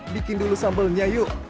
bikin dulu sambalnya yuk